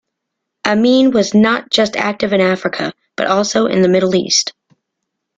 Amin was not just active in Africa, but also in the Middle East.